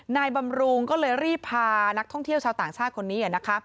บำรุงก็เลยรีบพานักท่องเที่ยวชาวต่างชาติคนนี้นะคะ